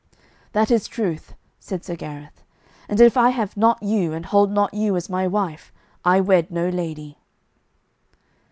"That is truth," said Sir Gareth, "and if I have not you and hold not you as my wife I wed no lady."